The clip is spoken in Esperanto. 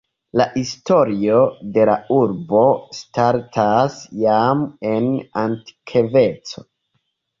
La historio de la urbo startas jam en antikveco.